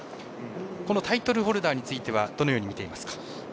タイトルホルダーについてはどのように見ていますか？